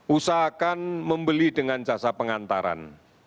usahakan membeli dengan jasa pengantaran